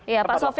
iya pak sofyan